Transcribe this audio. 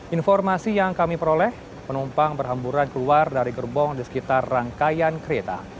informasi yang kami peroleh penumpang berhamburan keluar dari gerbong di sekitar rangkaian kereta